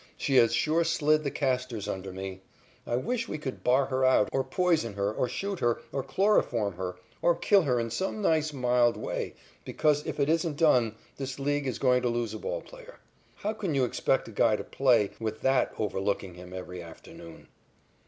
She has sure slid the casters under me. I wish we could bar her out, or poison her, or shoot her, or chloroform her, or kill her in some nice, mild way because, if it isn't done, this League is going to lose a ball player. How can you expect a guy to play with that overlooking him every afternoon?"